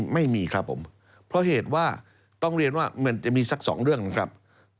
ไม่มีครับผมเพราะเหตุว่าต้องเรียนว่ามันจะมีสักสองเรื่องนะครับ